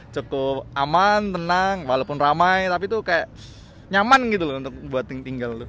cukup aman tenang walaupun ramai tapi tuh kaya nyaman gitu loh buat tinggal